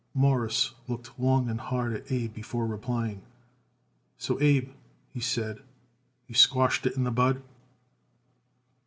Morris looked long and hard at Abe before replying. "So, Abe," he said, "you squashed it in the bud!"